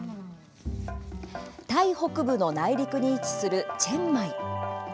タイ北部の内陸に位置するチェンマイ。